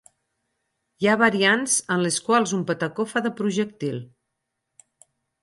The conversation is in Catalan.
Hi ha variants en les quals un patacó fa de projectil.